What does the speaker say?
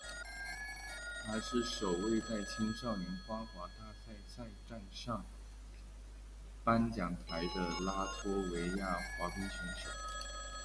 他是首位在青少年花滑大奖赛站上颁奖台的拉脱维亚滑冰选手。